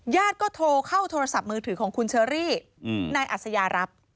ก็โทรเข้าโทรศัพท์มือถือของคุณเชอรี่นายอัศยารับ